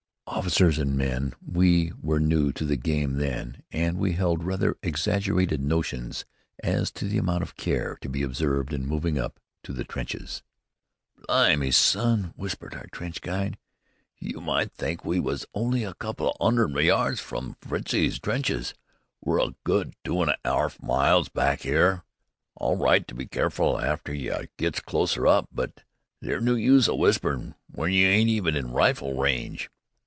Officers and men, we were new to the game then, and we held rather exaggerated notions as to the amount of care to be observed in moving up to the trenches. "Blimy, son!" whispered the trench guide, "you might think we was only a couple o' 'unnerd yards away from Fritzie's trenches! We're a good two an' a 'arf miles back 'ere. All right to be careful arter you gets closer up; but they's no use w'isperin' w'en you ain't even in rifle range."